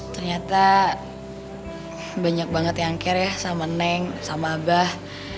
ternyata banyak banget yang care ya sama neng sama abah